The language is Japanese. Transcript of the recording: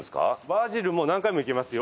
バジルも何回もいけますよ。